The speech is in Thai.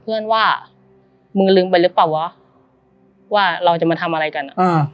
เพื่อนว่ามึงลืมไปหรือเปล่าวะว่าเราจะมาทำอะไรกันอ่ะอ่า